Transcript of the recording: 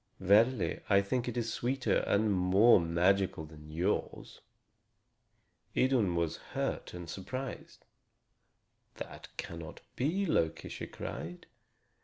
Verily, I think it is sweeter and more magical than yours." Idun was hurt and surprised. "That cannot be, Loki," she cried.